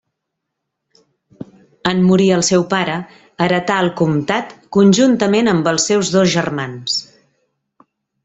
En morir el seu pare, heretà el comtat conjuntament amb els seus dos germans.